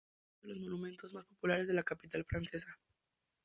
Es uno de los monumentos más populares de la capital francesa.